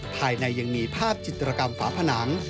ภายในยังมีภาพจิตรกรรมฝาผนัง